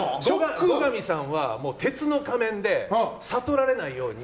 後上さんは鉄の仮面で悟られないように。